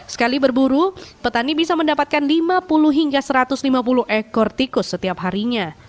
sekali berburu petani bisa mendapatkan lima puluh hingga satu ratus lima puluh ekor tikus setiap harinya